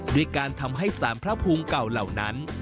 ด้วยการทำให้สารพระภูมิเก่าเหล่านั้น